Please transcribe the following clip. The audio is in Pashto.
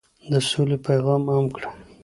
د سولې پیغام عام کړئ.